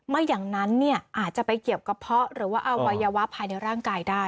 ไม่อย่างนั้นอาจจะไปเกี่ยวกระเพาะหรือว่าอวัยวะภายในร่างกายได้